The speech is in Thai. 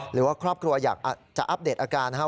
หรือว่าครอบครัวอยากจะอัปเดตอาการนะครับ